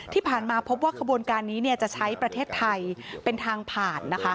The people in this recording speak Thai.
ที่ผ่านมาพบว่าขบวนการนี้จะใช้ประเทศไทยเป็นทางผ่านนะคะ